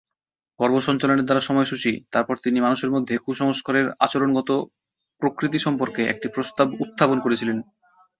কর্ম সঞ্চালনের দ্বারা সময়সূচী তারপর তিনি মানুষের মধ্যে কুসংস্কারের আচরণগত প্রকৃতি সম্পর্কে একটি প্রস্তাব উত্থাপন করেছিলেন।